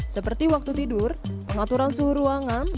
seperti waktu tidur pengaturan suhu ruangan